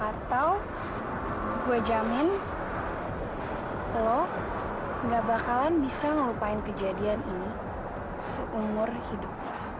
atau gue jamin lo gak bakalan bisa melupain kejadian ini seumur hidup